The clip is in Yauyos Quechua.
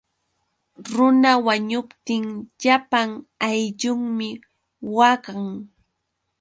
Runa wañuptin llapan ayllunmi waqan.